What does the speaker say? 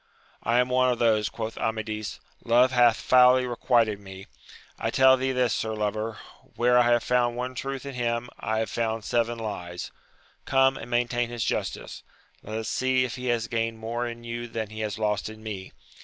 I am one of those, quoth Amadis : love hath foully requited me ; I tell thee this, sir lover, where I have found one truth in him, I have found seven Hes. Come, and maintain his justice : let us see if he has gained more in you than he has lost in me